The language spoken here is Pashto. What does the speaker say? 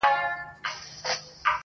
د کفن له غله بېغمه هدیره وه-